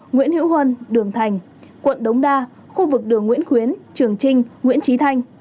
nguyễn hữu huân đường thành quận đống đa khu vực đường nguyễn khuyến trường trinh nguyễn trí thanh